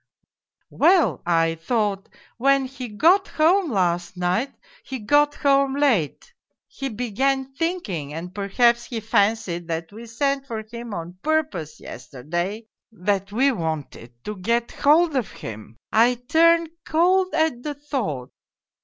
Well, I thought, when he got home last night, he got home late, he began thinking and perhaps he fancied that we sent for him on purpose, yesterday, that we wanted to get hold of him. I turned cold at the thought